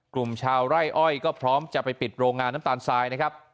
กลุ่มชาวไร่อ้อยก็พร้อมจะไปปิดโรงงานน้ำตาลทรายนะครับ